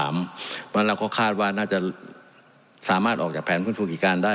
มันเราก็คาดว่าน่าจะสามารถออกจากแผนพื้นธุรกิจการได้